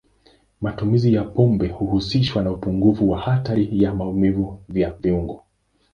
Matumizi ya pombe huhusishwa na upungufu wa hatari ya maumivu ya viungo.